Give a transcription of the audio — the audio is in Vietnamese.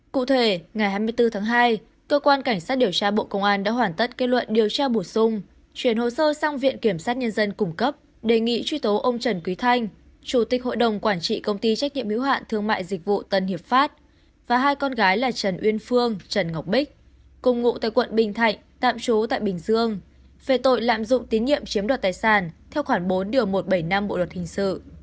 cụ thể ngày hai mươi bốn tháng hai cơ quan cảnh sát điều tra bộ công an đã hoàn tất kết luận điều tra bổ sung chuyển hồ sơ sang viện kiểm sát nhân dân củng cấp đề nghị truy tố ông trần quý thanh chủ tịch hội đồng quản trị công ty trách nhiệm yếu hạn thương mại dịch vụ tân hiệp pháp và hai con gái là trần uyên phương trần ngọc bích cùng ngụ tại quận bình thạnh tạm trú tại bình dương phê tội lạm dụng tín nhiệm chiếm đoạt tài sản theo khoảng bốn một trăm bảy mươi năm bộ luật hình sự